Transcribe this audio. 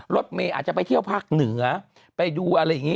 รถเมย์อาจจะไปเที่ยวภาคเหนือไปดูอะไรอย่างนี้